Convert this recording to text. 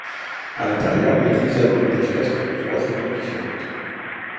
À l'intérieur, l'église abrite des fresques de trois époques différentes.